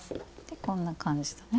こんな感じでね。